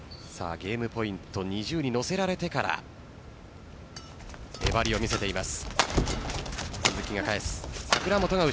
ゲームポイント２０に乗せられてから粘りを見せています。